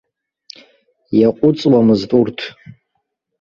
Иаҟәыҵуамызт урҭ.